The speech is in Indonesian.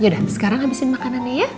yaudah sekarang habisin makanannya ya